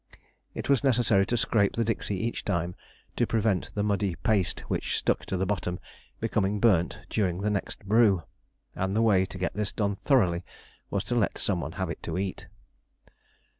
It was necessary to scrape the dixie each time to prevent the muddy paste which stuck to the bottom becoming burnt during the next brew; and the way to get this done thoroughly was to let some one have it to eat.